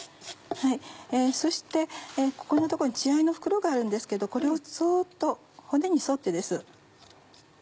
そしてここの所に血合いの袋があるんですけどこれをそっと骨に沿ってです。